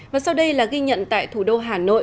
và sau đây là ghi nhận tại thủ đô hà nội